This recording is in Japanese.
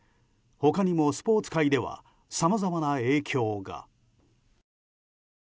他にもスポーツ界ではさまざまな影響が。